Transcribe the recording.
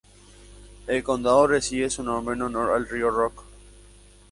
El condado recibe su nombre en honor al Río Rock.